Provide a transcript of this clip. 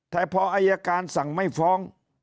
แต่พออายการสั่งไม่ฟ้อง